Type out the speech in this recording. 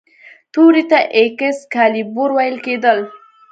تورې ته ایکس کالیبور ویل کیدل.